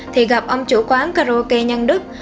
thì gặp ông chủ quán karaoke nhân đức